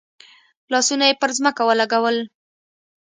لاسونه یې پر ځمکه ولګول.